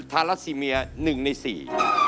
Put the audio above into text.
ธาราศิเมีย๑ใน๔